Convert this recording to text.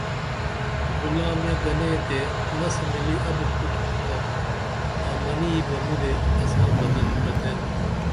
غُلامے گنے تے مسہ مِلی ابُت کوتُھم تا آں منی با مُدے تساں بدل پرتے